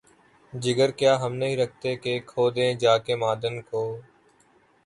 جگر کیا ہم نہیں رکھتے کہ‘ کھودیں جا کے معدن کو؟